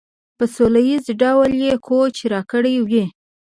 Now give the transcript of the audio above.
په سوله ایز ډول یې کوچ راکړی وي.